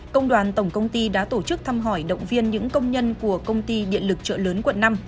công đoàn tổng công ty đã tổ chức thăm hỏi động viên những công nhân của công ty điện lực trợ lớn quận năm